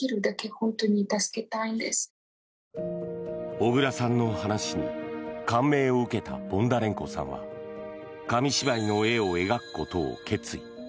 小倉さんの話に感銘を受けたボンダレンコさんは紙芝居の絵を描くことを決意。